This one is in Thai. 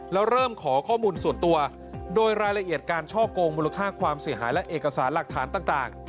แล้วเริ่มขอข้อมูลส่วนตัวโดยรายละเอียดการช่อกงมูลค่าความเสียหายและเอกสารหลักฐานต่าง